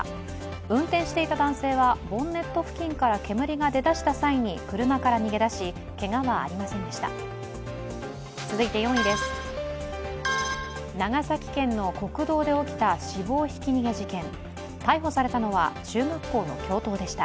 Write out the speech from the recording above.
運転していた男性はボンネット付近から煙が出だした際に車から逃げ出しけがはありませんでした。